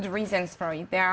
ada risiko untuk penyelamat